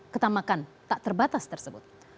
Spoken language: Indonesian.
ketamakan tak terbatas tersebut